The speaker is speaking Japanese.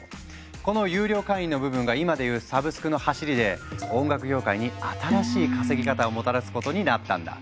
この有料会員の部分が今で言うサブスクのはしりで音楽業界に新しい稼ぎ方をもたらすことになったんだ。